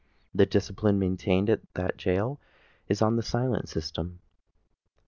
The discipline maintained in that gaol is on the Silent System.